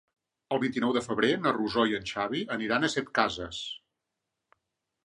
El vint-i-nou de febrer na Rosó i en Xavi iran a Setcases.